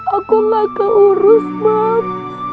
aku gak keurus pams